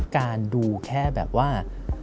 การดูแค่แบบว่า